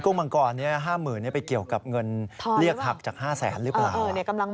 กุ้งมังกร๕๐๐๐๐ไปเกี่ยวกับเงินเรียกหักจาก๕๐๐๐๐๐หรือเปล่า